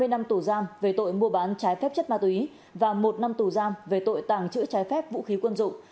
hai mươi năm tù giam về tội mua bán trái phép chất ma túy và một năm tù giam về tội tàng trữ trái phép vũ khí quân dụng